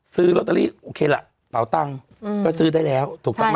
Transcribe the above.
ซื้อลอตเตอรี่โอเคล่ะเป่าตังค์ก็ซื้อได้แล้วถูกต้องไหม